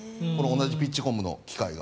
同じピッチコムの機械が。